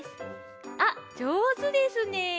あっじょうずですね。